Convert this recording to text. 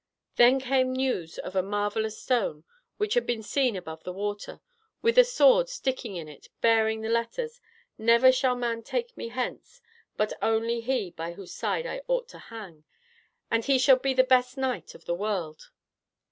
Then there came news of a marvellous stone which had been seen above the water, with a sword sticking in it bearing the letters, "Never shall man take me hence, but only he by whose side I ought to hang, and he shall be the best knight of the world."